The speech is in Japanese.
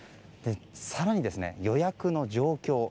更に、予約の状況